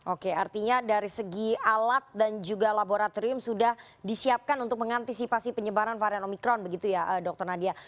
oke artinya dari segi alat dan juga laboratorium sudah disiapkan untuk mengantisipasi penyebaran varian omikron begitu ya dokter nadia